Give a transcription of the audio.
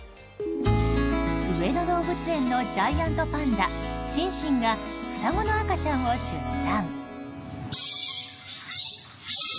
上野動物園のジャイアントパンダシンシンが双子の赤ちゃんを出産。